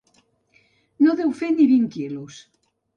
No deu fer ni vint quilos.